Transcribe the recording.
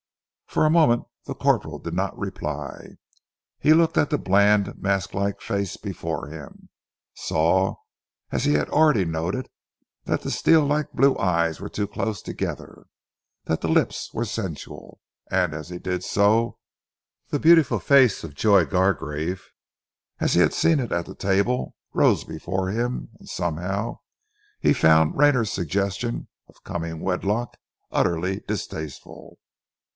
For a moment the corporal did not reply. He looked at the bland, mask like face before him, saw, as he had already noted, that the steel like blue eyes were too close together, that the lips were sensual; and as he did so, the beautiful face of Joy Gargrave, as he had seen it at table, rose before him, and somehow he found Rayner's suggestion of coming wedlock utterly distasteful.